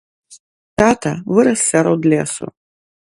Тата вырас сярод лесу.